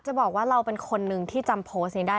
จะบอกว่าเราเป็นคนนึงที่จำโพสต์นี้ได้